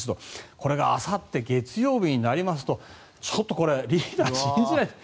これがあさって月曜日になりますとちょっとこれ、リーダー信じられない。